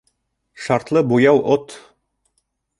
Шартлы буяу отт.